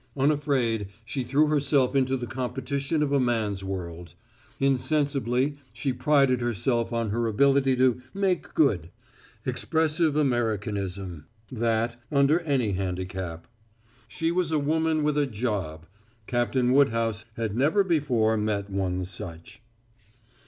Unafraid, she threw herself into the competition of a man's world; insensibly she prided herself on her ability to "make good" expressive Americanism, that, under any handicap. She was a woman with a "job"; Captain Woodhouse had never before met one such.